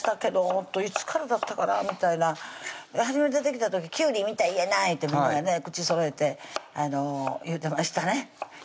いつからだったかなみたいな初め出てきた時きゅうりみたいやないうてみんな口そろえて言うてましたね